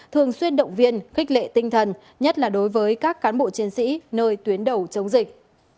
thường xuyên động viên khích lệ tinh thần nhất là đối với các cán bộ chiến sĩ nơi tuyến đầu chống dịch